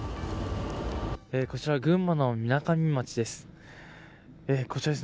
こちら群馬のみなかみ町です。